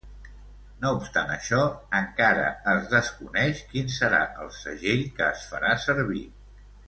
No obstant això, encara es desconeix quin serà el segell que es farà servir.